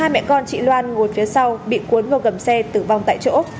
hai mẹ con chị loan ngồi phía sau bị cuốn vào gầm xe tử vong tại chỗ